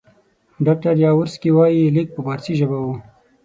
ډاکټر یاورسکي وایي لیک په فارسي ژبه وو.